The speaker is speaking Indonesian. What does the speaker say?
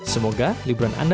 semoga liburan anda terjaya